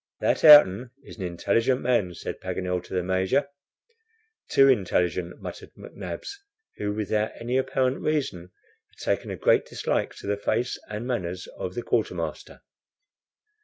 "That Ayrton is an intelligent man," said Paganel to the Major. "Too intelligent!" muttered McNabbs, who, without any apparent reason, had taken a great dislike to the face and manners of the quartermaster.